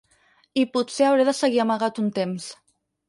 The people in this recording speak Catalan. I potser hauré de seguir amagat un temps.